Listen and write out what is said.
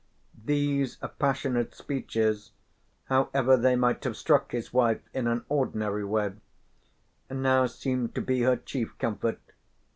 These passionate speeches, however they might have struck his wife in an ordinary way, now seemed to be her chief comfort.